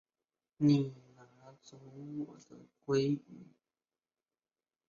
你拿走我的鮭魚